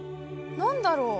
何だろう？